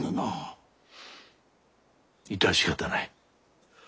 致し方ない。